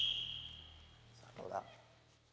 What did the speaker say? さあどうだ。